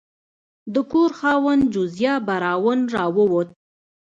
د کور خاوند جوزیا براون راووت.